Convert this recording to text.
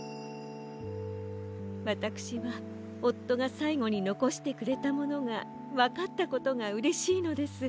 わたくしはおっとがさいごにのこしてくれたものがわかったことがうれしいのです。